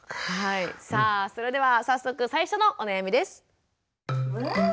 さあそれでは早速最初のお悩みです。